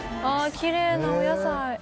ああきれいなお野菜。